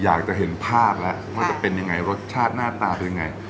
อยากจะเห็นภาพแล้วว่าจะเป็นยังไงรสชาติหน้าตาเป็นยังไง